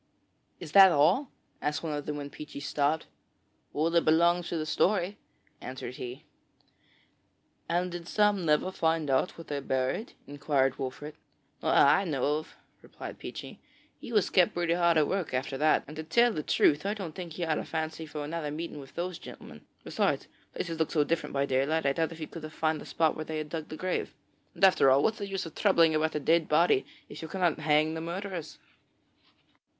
'Is that all?' asked one of them when Peechy stopped. 'All that belongs to the story,' answered he. 'And did Sam never find out what they buried?' inquired Wolfert. 'Not that I know of,' replied Peechy; 'he was kept pretty hard at work after that, and, to tell the truth, I don't think he had any fancy for another meeting with those gentlemen. Besides, places look so different by daylight that I doubt if he could have found the spot where they had dug the grave. And after all, what is the use of troubling about a dead body, if you cannot hang the murderers?'